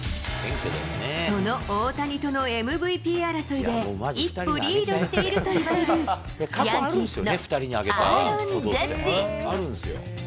その大谷とのＭＶＰ争いで、一歩リードしているといわれるヤンキースのアーロン・ジャッジ。